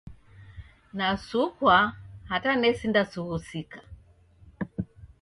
Nasukwa hata nesinda sughusika.